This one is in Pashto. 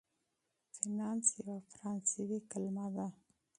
فینانس یوه فرانسوي کلمه ده.